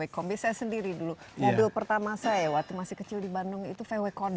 kita tidak bisa menemukan volkswagen